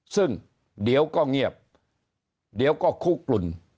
ซึ่งเดี๋ยวก็เงียบเดี๋ยวก็คุกกลุ่น